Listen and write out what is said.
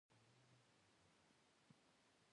زه راځم په دغه روغتون کې ځان بستروم.